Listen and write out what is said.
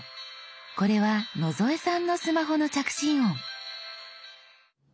これは野添さんのスマホの着信音。